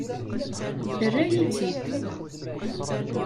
Terra-yi-tt-id.